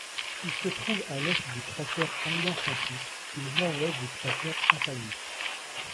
Il se trouve à l'est du cratère Aliancensis et au nord-ouest du cratère Apanius.